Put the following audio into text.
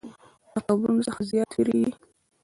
له قبرونو څخه زیات ویریږي.